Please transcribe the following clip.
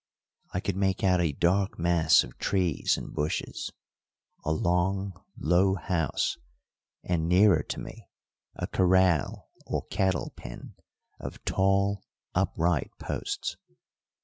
I could make out a dark mass of trees and bushes, a long, low house, and, nearer to me, a corral, or cattle pen, of tall, upright posts.